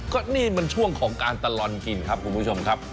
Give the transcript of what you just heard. ก็นี่มันช่วงของการตลอดกินครับคุณผู้ชมครับ